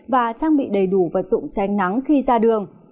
và trang bị đầy đủ vật dụng tránh nắng khi ra đường